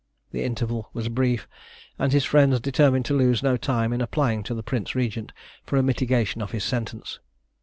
The interval was brief, and his friends determined to lose no time in applying to the Prince Regent for a mitigation of his sentence.